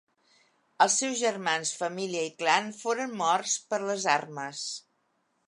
Els seus germans, família i clan foren morts per les armes.